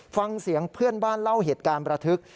ฟังเสียงเพื่อนบ้านเล่าเหตุการณ์ประทึก